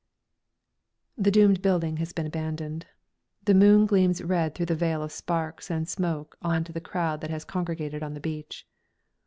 The doomed building has been abandoned. The moon gleams red through the veil of sparks and smoke on to the crowd that has congregated on the beach.